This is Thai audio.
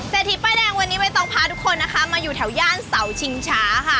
ทีป้ายแดงวันนี้ใบตองพาทุกคนนะคะมาอยู่แถวย่านเสาชิงช้าค่ะ